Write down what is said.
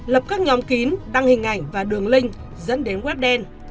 lập các nhóm kín đăng hình ảnh và đường link dẫn đến web đen